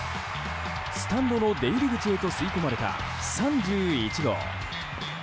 スタンドの出入り口へと吸い込まれた３１号。